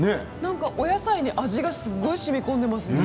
お野菜に味がすごいしみこんでいますね。